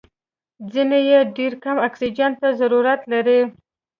ځینې یې ډېر کم اکسیجن ته ضرورت لري.